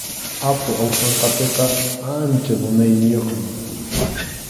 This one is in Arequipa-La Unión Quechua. Apu Awsanqatiqa ancha munayniyuqmi.